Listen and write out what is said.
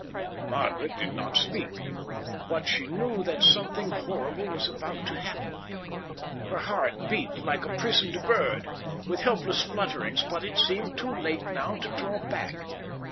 Margaret did not speak, but she knew that something horrible was about to happen. Her heart beat like a prisoned bird, with helpless flutterings, but it seemed too late now to draw back.